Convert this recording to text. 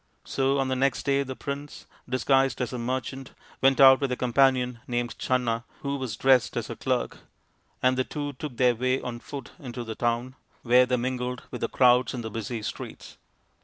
So on the next day the prince, disguised as a merchant, went out with a companion named Channa who was dressed as a clerk, and the two took their way on foot into the town, where they mingled with the crowds in the busy streets.